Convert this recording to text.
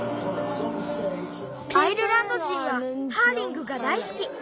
アイルランド人はハーリングが大すき。